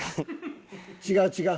違う違う。